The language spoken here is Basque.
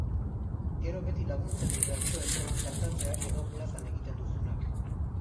Gero beti laguntzen du bertso eskolan kantatzeak edo plazan egiten duzunak.